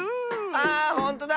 あほんとだ！